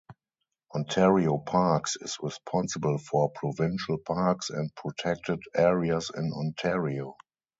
Ontario Parks is responsible for provincial parks and protected areas in Ontario.